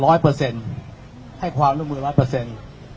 เปอร์เซ็นต์ให้ความร่วมมือร้อยเปอร์เซ็นต์